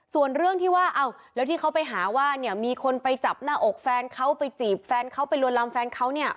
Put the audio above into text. ส่วนเรื่องที่ว่าอ้าวแล้วที่เขาไปหาว่าเนี่ยมีคนไปจับหน้าอกแฟนเขาไปจีบแฟนเขาไปลวนลำแฟนเขาเนี่ย